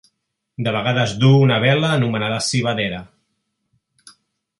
De vegades duu una vela anomenada civadera.